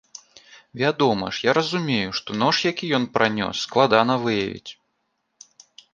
Вядома ж, я разумею, што нож, які ён пранёс, складана выявіць.